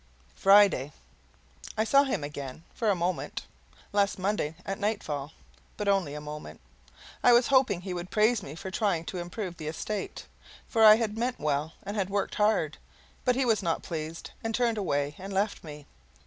FRIDAY. I saw him again, for a moment, last Monday at nightfall, but only for a moment. I was hoping he would praise me for trying to improve the estate, for I had meant well and had worked hard. But he was not pleased, and turned away and left me.